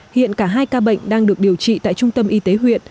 hiện cả hai ca bệnh đang được điều trị tại trung tâm y tế huyện